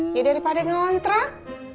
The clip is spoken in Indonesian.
ya daripada ngontrak